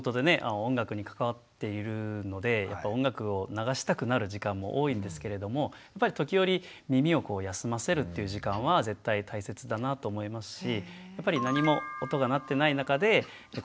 音楽に関わっているので音楽を流したくなる時間も多いんですけれどもやっぱり時折耳を休ませるっていう時間は絶対大切だなと思いますしやっぱり何も音が鳴ってない中で子どもと会話をする。